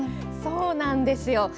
そうなんですよ。